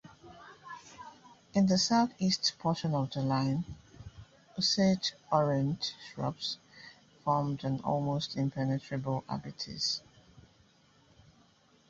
In the southeast portion of the line, Osage-orange shrubs formed an almost impenetrable abatis.